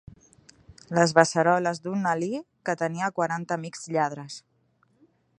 Les beceroles d'un Alí que tenia quaranta amics lladres.